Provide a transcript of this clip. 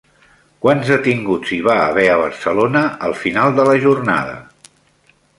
Quants detinguts hi va haver a Barcelona al final de la jornada?